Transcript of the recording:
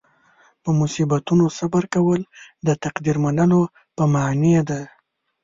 په مصیبتونو صبر کول د تقدیر منلو په معنې ده.